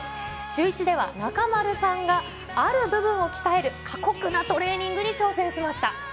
シューイチでは中丸さんが、ある部分を鍛える過酷なトレーニングに挑戦しました。